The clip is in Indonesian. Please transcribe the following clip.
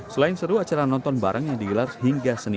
selain seru acara nonton bareng yang digelar hingga senin